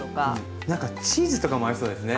なんかチーズとかも合いそうですね。